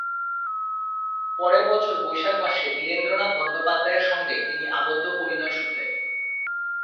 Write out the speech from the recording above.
পরের বছর বৈশাখ মাসে বীরেন্দ্রনাথ বন্দ্যোপাধ্যায়ের সঙ্গে তিনি আবদ্ধ পরিণয়-সূত্রে।